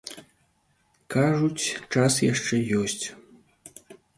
Кажуць, час яшчэ ёсць.